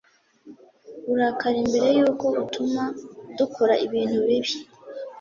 burakari mbere y uko butuma dukora ibintu bibi